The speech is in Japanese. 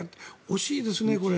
惜しいですね、これ。